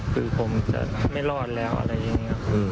ผมจะไม่รอดแล้วอะไรอย่างนี้